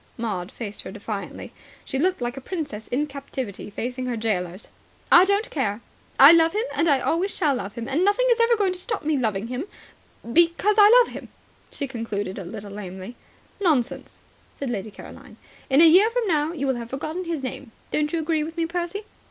Maud faced her defiantly. She looked like a princess in captivity facing her gaolers. "I don't care. I love him, and I always shall love him, and nothing is ever going to stop me loving him because I love him," she concluded a little lamely. "Nonsense," said Lady Caroline. "In a year from now you will have forgotten his name. Don't you agree with me, Percy?"